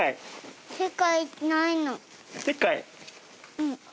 うん。